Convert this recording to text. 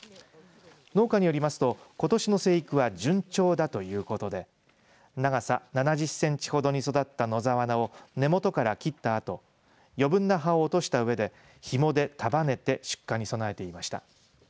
農家によりますとことしの生育は順調だということで長さ７０センチほどに育った野沢菜を根元から切ったあと余分な葉を落としたうえでひもで束ねて出荷に備えていました。